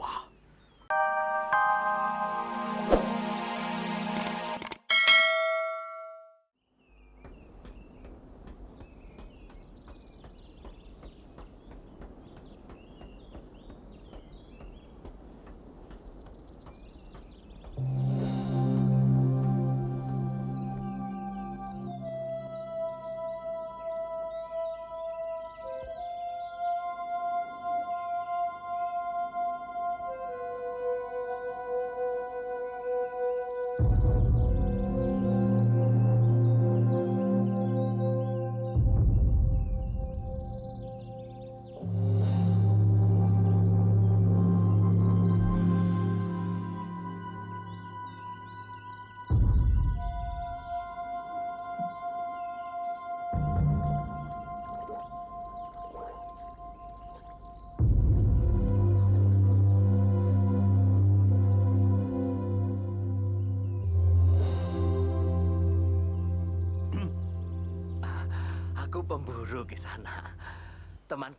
ada perampok agawulung